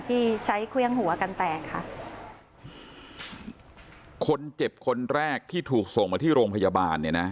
ที่ใช้เครื่องหัวกันแตกค่ะคนเจ็บคนแรกที่ถูกส่งมาที่โรงพยาบาลเนี่ยนะ